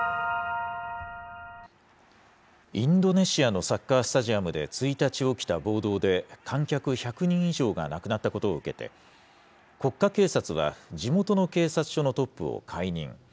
インドネシアのサッカースタジアムで１日起きた暴動で、観客１００人以上が亡くなったことを受けて、国家警察は、地元の警察署のトップを解任。